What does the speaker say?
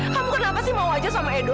kamu kenapa sih mau aja sama edo